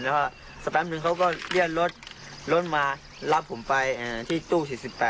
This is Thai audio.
แล้วก็สักแป๊บนึงเขาก็เลื่อนรถรถมารับผมไปที่ตู้๔๘